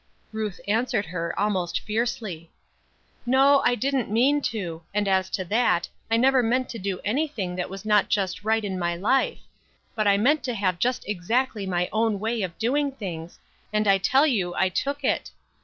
Ruth answered her almost fiercely: "No, I didn't mean to; and as to that, I never meant to do anything that was not just right in my life; but I meant to have just exactly my own way of doing things, and I tell you I took it.